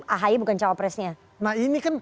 ahai bukan cowapresnya nah ini kan